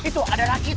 itu ada rakit